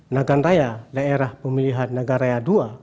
nagan raya daerah pemilihan nagan raya dua